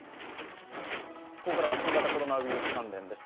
ここからは新型コロナウイルス関連です。